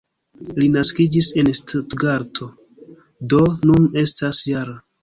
Li naskiĝis en Stutgarto, do nun estas -jara.